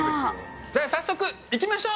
じゃあ早速行きましょう！